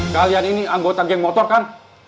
kalian ini anggota geng motor kan